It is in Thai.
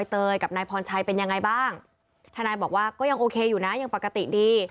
ท่านายบอกว่าก็ยังโอเคอยู่นะยังปกติดี